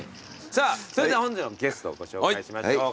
さぁそれでは本日のゲストをご紹介しましょう。